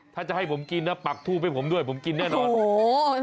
ถ้าจะให้ผมกินน่ะปัดถู่เป็นผมด้วยผมกินแน่นอน